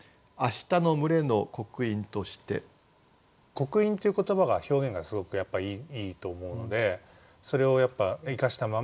「刻印」っていう言葉が表現がすごくいいと思うのでそれをやっぱ生かしたまま「群れ」